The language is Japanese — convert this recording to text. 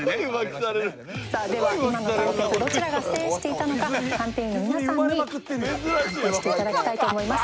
さあでは今の対決どちらが制していたのか判定員の皆さんに判定して頂きたいと思います。